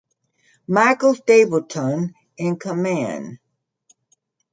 Michael Stapleton in command.